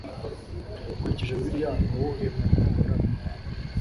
dukurikije bibiliya ni uwuhe muntu waramye